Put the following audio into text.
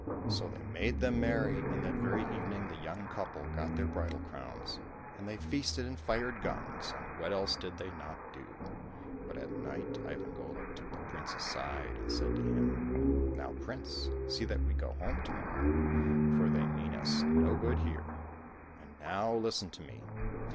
So they made them merry, and that very evening the young couple got their bridal crowns. And they feasted and fired guns, and what else did they not do ? But at night, Ivan Golik took the prince aside, and said to him, " Now, prince, see that we go home to morrow, for they mean us no good here. And now, listen to me